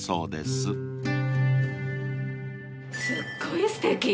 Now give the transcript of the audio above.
すっごいすてき！